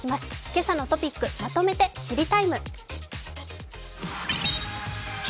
今朝のトピックまとめて「知りＴＩＭＥ，」。